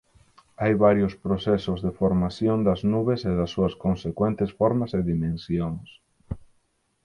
Hai varios procesos de formación das nubes e das súas consecuentes formas e dimensións.